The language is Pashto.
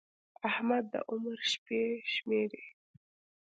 احمد د عمر شپې شمېري.